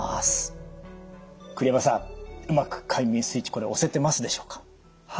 栗山さんうまく快眠スイッチこれ押せてますでしょうか？